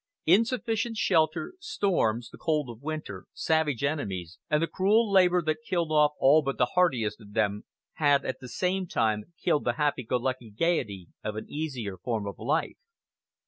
Insufficient shelter, storms, the cold of winter, savage enemies, and the cruel labor that killed off all but the hardiest of them, had at the same time killed the happy go lucky gaiety of an easier form of life.